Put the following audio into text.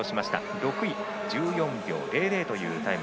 ６位、１４秒００というタイム。